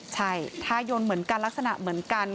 ใช่ท้ายยนเหมือนกันลักษณะเหมือนกัน